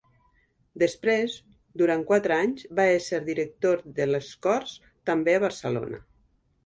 Després, durant quatre anys, va ésser director de les Corts, també a Barcelona.